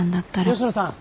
吉野さん！